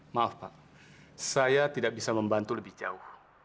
maaf pak saya tidak bisa membantu lebih jauh